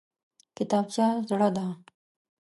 کتابچه زړه ده!